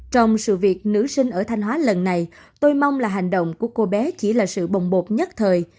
trong sự việc nữ sinh ở thanh hóa lần này tôi mong là hành động của cô bé chỉ là sự bồng bột nhất thời